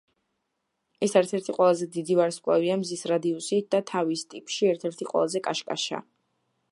ის ერთ-ერთი ყველაზე დიდი ვარსკვლავია მზის რადიუსით და თავის ტიპში ერთ-ერთი ყველაზე კაშკაშა.